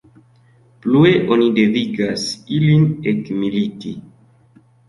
Plue oni devigas ilin ekmiliti.